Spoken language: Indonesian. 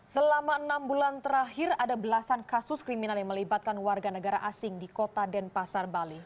selama enam bulan terakhir ada belasan kasus kriminal yang melibatkan warga negara asing di kota denpasar bali